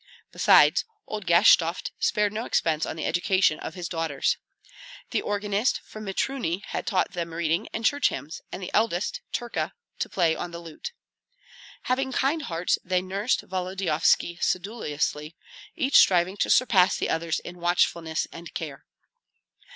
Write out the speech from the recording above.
Besides, old Gashtovt spared no expense on the education of his daughters. The organist from Mitruny had taught them reading and church hymns, and the eldest, Terka, to play on the lute. Having kind hearts, they nursed Volodyovski sedulously, each striving to surpass the others in watchfulness and care.